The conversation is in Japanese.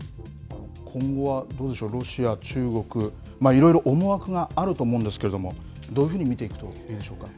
今後はどうでしょう、ロシア、中国、いろいろ思惑があると思うんですけれども、どういうふうに見ていくといいでしょうか。